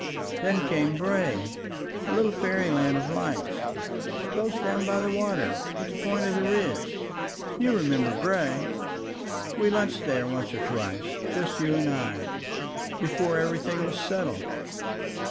Then came Bray, a little fairyland of lights close down by the water at the point of the ridge ... you remember Bray, we lunched there once or twice, just you and I, before everything was settled